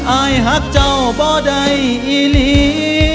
อายหักเจ้าบ่ได้อีหลี